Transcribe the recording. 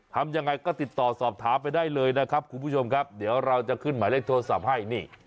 ทำยังไงก็ติดต่อสอบถามไปได้เลยนะครับคุณผู้ชมครับเดี๋ยวเราจะขึ้นหมายเลขโทรศัพท์ให้นี่